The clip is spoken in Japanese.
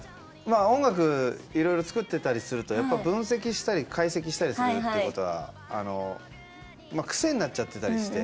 音楽いろいろ作ってたりするとやっぱ分析したり解析したりするってことはあの癖になっちゃってたりして。